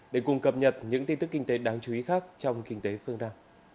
để cùng cập nhật những tin tức kinh tế đáng chú ý khác trong kinh tế phương đa